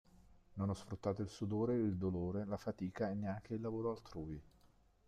Non ho sfruttato il sudore, il dolore, la fatica e neanche il lavoro altrui.